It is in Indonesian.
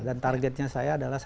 dan targetnya saya adalah